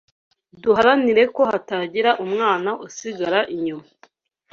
Duharanira ko hatagira umwana usigara inyuma